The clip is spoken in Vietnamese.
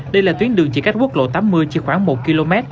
đây là tuyến đường chỉ cách quốc lộ tám mươi chỉ khoảng một km